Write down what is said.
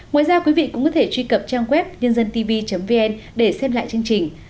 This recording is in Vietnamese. ngoài ra quý vị cũng có thể truy cập trang web nhândântv vn để xem lại chương trình